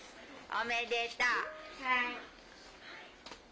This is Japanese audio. おめでとう。